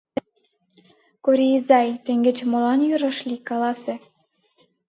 Корий изай, теҥгече молан йӱр ыш лий, каласе?